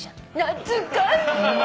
懐かしい！